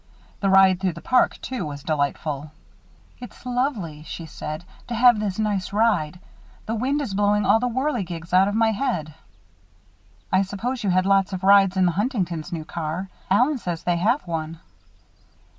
The ride through the park, too, was delightful. "It's lovely," she said, "to have this nice ride. The wind is blowing all the whirligigs out of my head." "I suppose you had lots of rides in the Huntingtons' new car Allen says they have one."